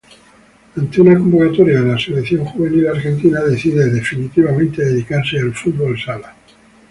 Ante una convocatoria de la Selección juvenil argentina decide definitivamente dedicarse al fútbol sala.